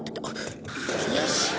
よし。